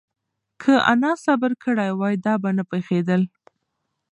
که انا صبر کړی وای، دا به نه پېښېدل.